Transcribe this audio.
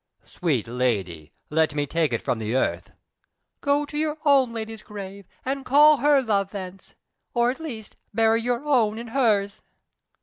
"Sweet lady, let me take it from the earth." "Go to your own lady's grave, and call her love thence, or, at least, bury your own in hers."